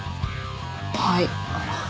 はい。